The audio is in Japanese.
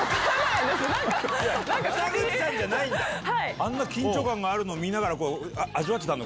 あんな緊張感あるの見ながら、味わってたの？